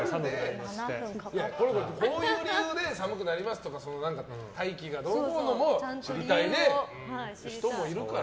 こういう理由で寒くなりますとか大気がどうのこうのも知りたい人もいるから。